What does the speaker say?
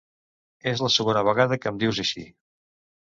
És la segona vegada que em dius així.